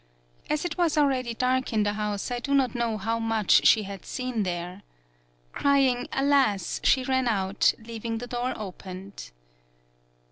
As it was already dark in the house, I do not know how much she had seen there. Crying, 'Alas !' she ran out, leaving the door opened.